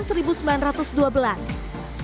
ini artinya sudah seratus tahun lebih